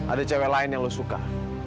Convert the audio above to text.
ada cewek lain yang lo suka